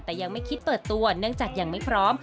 แต่ยังไม่คิดเปิดตัวเนื่องจากยังไม่พร้อม